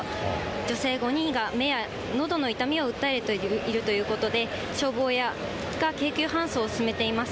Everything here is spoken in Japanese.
女性５人が目やのどの痛みを訴えているということで、消防が救急搬送を進めています。